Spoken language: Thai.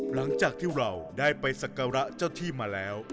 หลังจากที่เราได้ไปสักการะเจ้าที่มาแล้ว